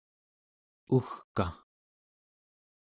ugkaᵉ